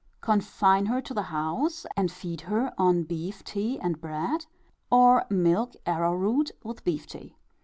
Confine her to the house and feed her on beef tea and bread, or milk arrowroot with beef tea.